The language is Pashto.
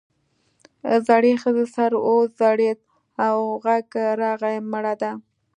زړې ښځې سر وځړېد او غږ راغی مړه ده.